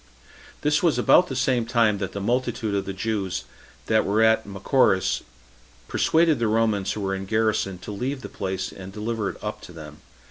This was about the same time that the multitude of the Jews that were at Machaerus persuaded the Romans who were in garrison to leave the place, and deliver it up to them.